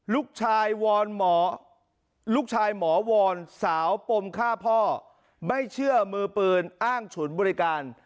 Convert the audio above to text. ลูกชายหมอวอนสาวปมฆ่าพ่อไม่เชื่อมือปืนอ้างฉุนบริการ